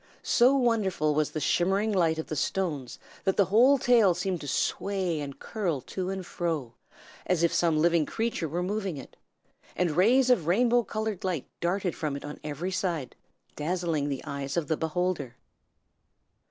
So wonderful was the shimmering light of the stones that the whole tail seemed to sway and curl to and fro, as if some living creature were moving it, and rays of rainbow colored light darted from it on every side, dazzling the eyes of the beholder.